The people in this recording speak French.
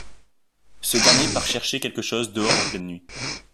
Ce dernier part chercher quelque chose dehors en pleine nuit.